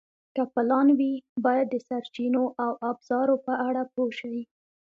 که پلان وي، باید د سرچینو او ابزارو په اړه پوه شئ.